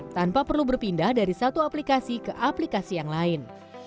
tanpa perlu berpindah dari satu aplikasi ke aplikasi yang lain